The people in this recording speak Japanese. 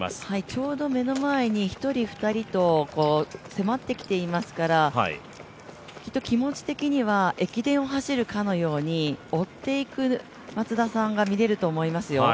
ちょうど目の前に１人、２人と迫ってきていますから、きっと気持ち的には駅伝を走るかのように追っていく松田さんが見れると思いますよ。